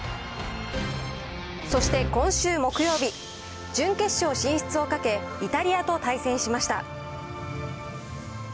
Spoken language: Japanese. そして今週木曜日、準決勝進出をかけ、イタリアと対戦しました。